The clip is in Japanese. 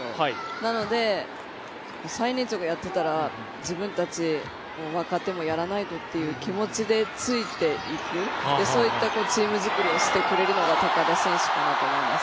なので最年長がやってたら自分たち若手もやらないとって気持ちでついていくそういったチーム作りをしてくれるのが高田選手かなと思います。